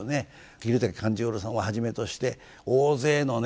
桐竹勘十郎さんをはじめとして大勢のね